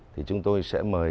thì chúng tôi sẽ mời